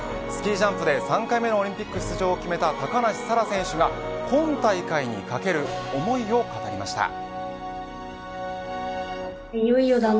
スキージャンプで３回目のオリンピック出場を決めた高梨沙羅選手が今大会に懸ける思いを語りました。